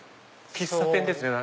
喫茶店ですよね？